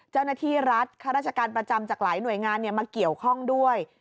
เจ้าหน้าที่รัฐข้าราชการประจำจากหลายหน่วยงานมาเกี่ยวข้องด้วย